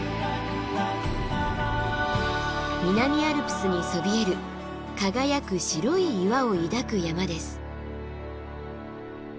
南アルプスにそびえる輝く白い岩を抱く山です。